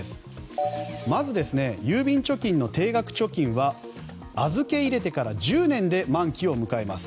まず、郵便貯金の定額貯金は預け入れてから１０年で満期を迎えます。